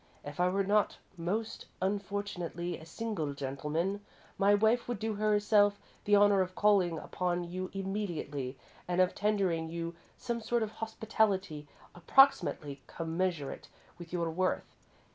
If I were not most unfortunately a single gentleman, my wife would do herself the honour of calling upon you immediately and of tendering you some sort of hospitality approximately commensurate with your worth.